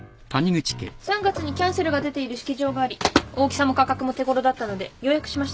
３月にキャンセルが出ている式場があり大きさも価格も手ごろだったので予約しました。